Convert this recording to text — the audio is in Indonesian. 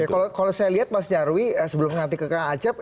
oke kalau saya lihat mas jarwi sebelum nanti ke kak acep